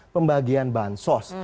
pembagian bahan sos